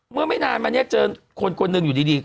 ไม่นานมาเนี่ยเจอคนคนหนึ่งอยู่ดี